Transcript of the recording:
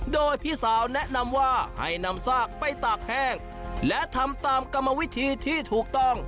โดยพี่สาวแนะนำว่าให้นำซากไปตากแห้งและทำตามกรรมวิธีที่ถูกต้อง